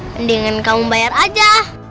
mendingan kamu bayar aja